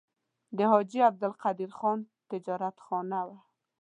د حاجي عبدالقدیر خان تجارتخانه وه.